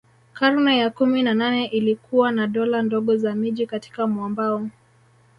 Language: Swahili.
Karne ya kumi na nane ilikuwa na dola ndogo za miji katika mwambao